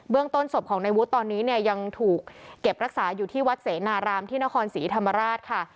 ต้นศพของในวุฒิตอนนี้เนี่ยยังถูกเก็บรักษาอยู่ที่วัดเสนารามที่นครศรีธรรมราชค่ะ